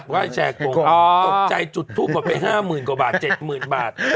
ไหว้แชร์กงตกใจจุดทุบกว่าไป๕หมื่นกว่าบาท๗หมื่นบาท